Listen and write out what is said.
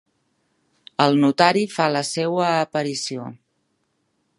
El notari fa la seua aparició.